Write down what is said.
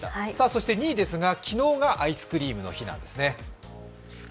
そして２位ですが、昨日がアイスクリームの日なんですね。